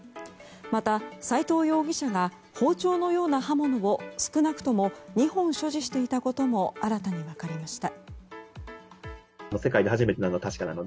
また、齊藤容疑者が包丁のような刃物を少なくとも２本所持していたことも新たに分かりました。